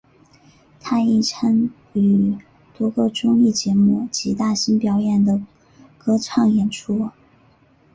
他亦曾参与多个综艺节目及大型表演的歌唱演出。